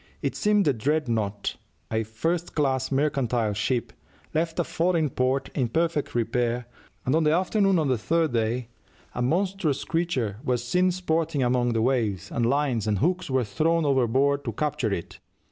It seems the Dreadnought, a first class mercantile ship, left a foreign port in perfect repair, and on the afternoon of the third day a "monstrous creature" was seen sporting among the waves, and lines and hooks were thrown overboard to capture it.